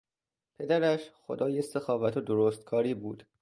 پدرش خدای سخاوت و درستکاری بود.